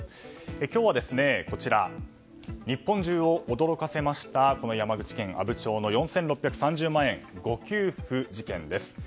今日は、日本中を驚かせました山口県阿武町の４６３０万円誤給付事件です。